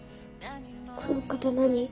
この肩何？